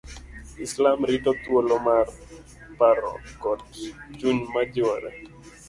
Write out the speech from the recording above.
islam rito thwolo mar paro kod chuny majiwore